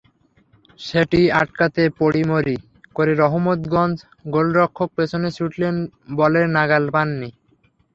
সেটি আটকাতে পড়িমরি করে রহমতগঞ্জ গোলরক্ষক পেছনে ছুটলেও বলের নাগাল পাননি।